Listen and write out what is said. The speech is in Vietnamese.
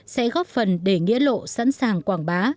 sẽ góp phần để nghĩa lộ sẵn sàng quảng bá